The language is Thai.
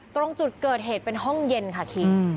ตรงจุดเกิดเหตุเป็นห้องเย็นค่ะคิง